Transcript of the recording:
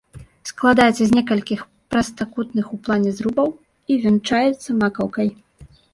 Складаецца з некалькіх прастакутных у плане зрубаў, і вянчаецца макаўкай.